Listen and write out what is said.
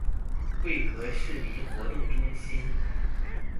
貴和市民活動中心